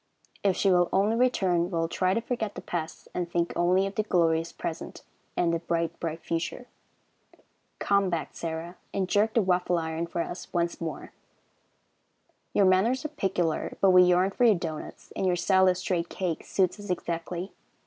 If she will only return, we will try to forget the past, and think only of the glorious present and the bright, bright future. Come back, Sarah, and jerk the waffle iron for us once more. Your manners are peculiar, but we yearn for your doughnuts, and your style of streaked cake suits us exactly.